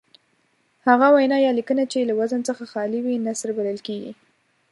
هغه وینا یا لیکنه چې له وزن څخه خالي وي نثر بلل کیږي.